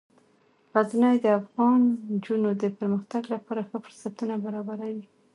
غزني د افغان نجونو د پرمختګ لپاره ښه فرصتونه برابروي.